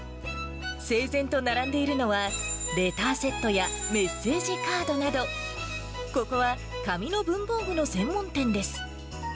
整然と並んでいるのは、レターセットやメッセージカードなど、ここは紙の文房具の専門店です。